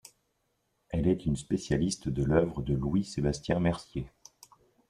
Elle est une spécialiste de l’œuvre de Louis-Sébastien Mercier.